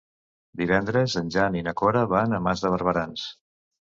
Divendres en Jan i na Cora van a Mas de Barberans.